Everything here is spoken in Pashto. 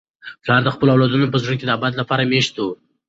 پلار د خپلو اولادونو په زړونو کي د ابد لپاره مېشت وي.